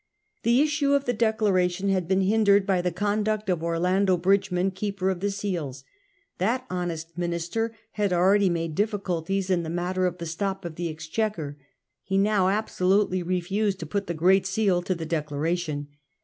The issue of the Declaration had been hindered by the conduct of Orlando Bridgeman, Keeper of the Seals. That honest minister had already made difficulties in the matter of the Stop of the Exchequer ; he now abso lutely refused to put the Great Seal to the Declaration.